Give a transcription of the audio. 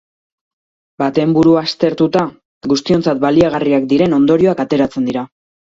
Baten burua aztertuta, guztiontzat baliagarriak diren ondorioak ateratzen dira.